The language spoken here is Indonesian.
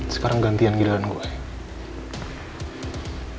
sekarang gantian giliran gue